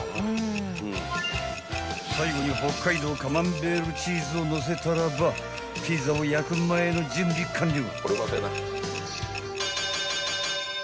［最後に北海道カマンベールチーズをのせたらばピザを焼く前の準備完了］